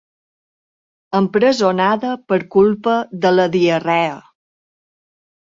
Empresonada per culpa de la diarrea.